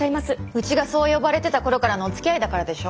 うちがそう呼ばれてた頃からのおつきあいだからでしょ。